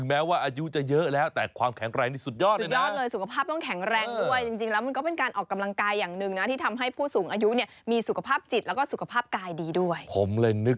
นึกว่าตอนแก่คุณจะทำอย่างไรใช่ไหม